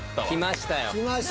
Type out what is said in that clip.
きましたよ。